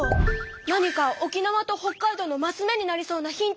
何か沖縄と北海道のマス目になりそうなヒントお願い！